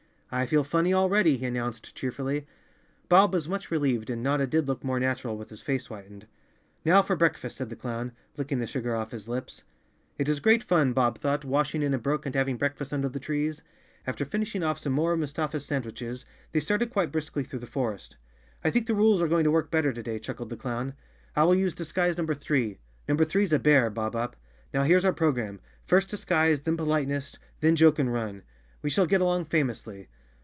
"I feel funny already," he announced cheerfully. Bob was much relieved and Notta did look more natural with his face whitened. "Now for breakfast," said the clown, licking the sugar off his lips. It was great fun, Bob thought, wash¬ ing in a brook and having breakfast under the trees. After finishing off some more of Mustafa's sandwiches, they started quite briskly through the forest. "I think the rules are going to work better to day," chuckled the clown, "I will use disguise number three. Number three's a bear, Bob Up. Now, here's our pro¬ gram, first disguise, then politeness, then joke and run. We shall get along famously."